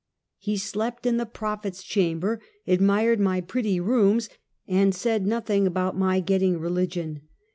He slept in the "prophet's chamber," admired my pretty rooms, and said nothing about my getting religion.